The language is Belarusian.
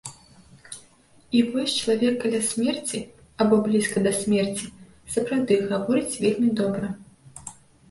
І вось чалавек каля смерці або блізкі да смерці сапраўды гаворыць вельмі добра.